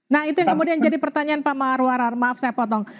nah itu yang kemudian jadi pertanyaan pak marwarar maaf saya potong